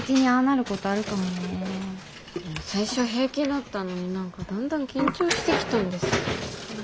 最初平気だったのに何かだんだん緊張してきたんです。